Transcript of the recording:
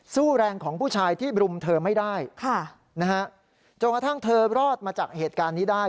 สู้แรงของผู้ชายที่บรุมเธอไม่ได้จนกระทั่งเธอรอดมาจากเหตุการณ์นี้ได้